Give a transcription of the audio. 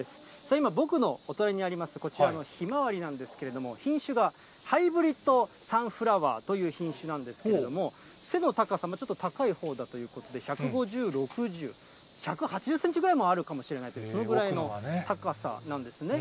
今、僕のお隣にあります、こちらのひまわりなんですけれども、品種がハイブリッドサンフラワーという品種なんですけれども、背の高さ、ちょっと高いほうだということで、１５０、６０、１８０センチぐらいもあるかもしれないと、それぐらいの高さなんですね。